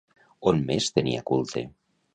On més tenia culte?